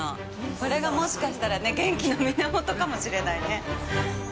これが、もしかしたら元気の源かもしれないね。